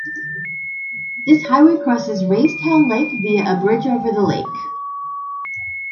This highway crosses Raystown Lake via a bridge over the lake.